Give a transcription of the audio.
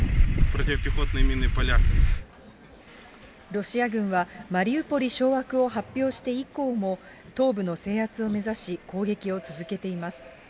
ロシア軍は、マリウポリ掌握を発表して以降も東部の制圧を目指し、攻撃を続けています。